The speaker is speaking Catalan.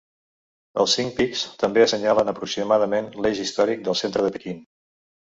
Els cinc pics també assenyalen aproximadament l'eix històric del centre de Pequín.